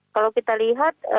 kalau kita lihat